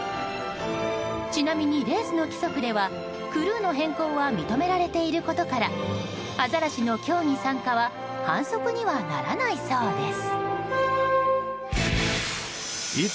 ちなみに、レースの規則ではクルーの変更は認められていることからアザラシの競技参加は反則にはならないそうです。